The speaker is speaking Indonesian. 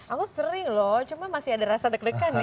aku sering loh cuma masih ada rasa deg degan ya